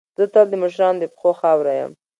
زه تل د مشرانو د پښو خاوره یم.